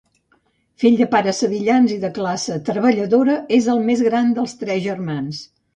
Fill de pares sevillans i de classe treballadora, és el més gran de tres germans.